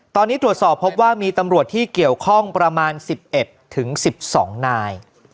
ตอนนี้ตรวจสอบพบว่ามีตำรวจที่เกี่ยวข้องประมาณ๑๑๑๑๒นาย